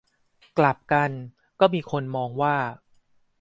กลับกัน ก็มีคนมองว่า